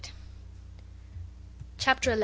CHAPTER 11.